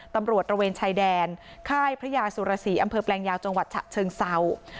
ตระเวนชายแดนค่ายพระยาสุรสีอำเภอแปลงยาวจังหวัดฉะเชิงเศร้า